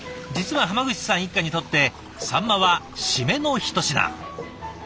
実は浜口さん一家にとってサンマは締めのひと品。